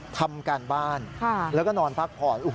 ทำการบ้านแล้วก็นอนพักผ่อน